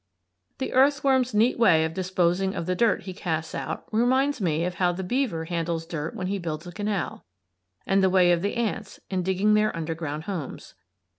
The earthworm's neat way of disposing of the dirt he casts out reminds me of how the beaver handles dirt when he builds a canal, and the way of the ants in digging their underground homes.